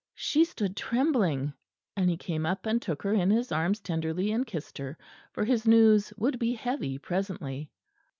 She stood trembling, and he came up and took her in his arms tenderly and kissed her, for his news would be heavy presently.